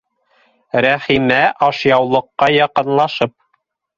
Рәхимә, ашъяулыҡҡа яҡынлашып: